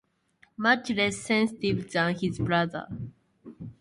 Much less sensitive than his brother.